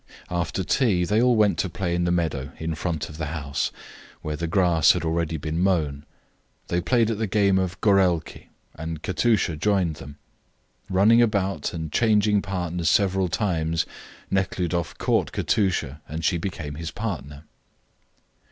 After tea they all went to play in the meadow in front of the house, where the grass had already been mown. They played at the game of gorelki, and Katusha joined them. Running about and changing partners several times, Nekhludoff caught Katusha, and she became his partner.